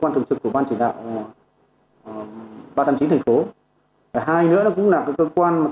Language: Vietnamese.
nhiều loại đắt kiện